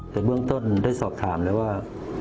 แต่เบื้องต้นได้สอบถามแล้วว่า